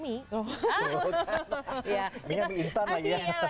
mie yang mie instan lagi ya